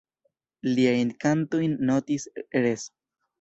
Liajn kantojn notis, res.